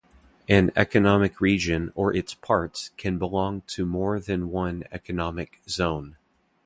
An economic region or its parts can belong to more than one economic zone.